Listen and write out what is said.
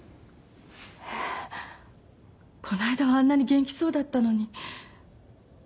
えっこの間はあんなに元気そうだったのに。